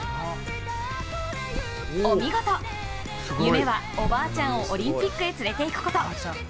お見事、夢はおばあちゃんをオリンピックへ連れて行くこと。